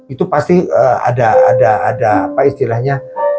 itu pasti ada apa istilahnya